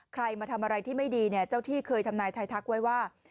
มาทำอะไรที่ไม่ดีเนี่ยเจ้าที่เคยทำนายไทยทักไว้ว่า